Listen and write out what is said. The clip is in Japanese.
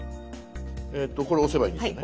これ押せばいいんですね。